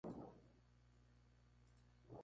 Primera propuesta.